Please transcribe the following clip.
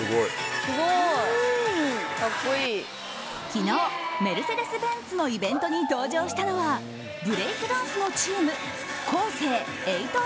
昨日メルセデスベンツのイベントに登場したのはブレイクダンスのチームＫＯＳＥ８